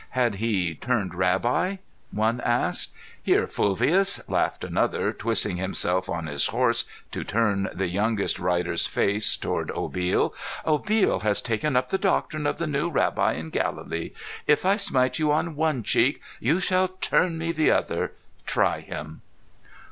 Had he "turned rabbi"? one asked. "Here, Fulvius!" laughed another, twisting himself on his horse to turn the youngest rider's face toward Obil. "Obil has taken up the doctrine of the new rabbi in Galilee. If I smite you on one cheek you shall turn to me the other. Try him!"